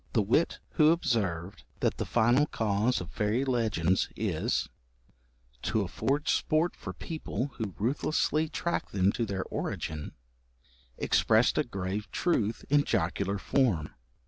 The wit who observed that the final cause of fairy legends is 'to afford sport for people who ruthlessly track them to their origin,' expressed a grave truth in jocular form.